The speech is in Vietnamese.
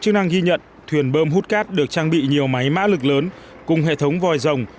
chức năng ghi nhận thuyền bơm hút cát được trang bị nhiều máy mã lực lớn cùng hệ thống vòi rồng